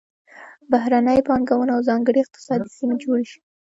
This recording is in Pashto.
بهرنۍ پانګونه او ځانګړې اقتصادي سیمې جوړې شوې.